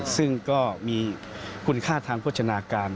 ซึ่งก็มีคุณค่าทางโภชนาการ